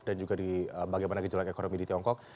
dan juga bagaimana gejelak ekonomi di tiongkok